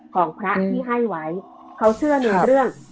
ของพระที่ให้ไว้เขาเชื่อในเรื่อง